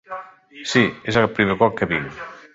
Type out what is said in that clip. Sí, és el primer cop que vinc.